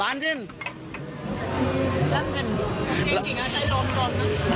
ลันเจนจริงนะใช้โดมนะ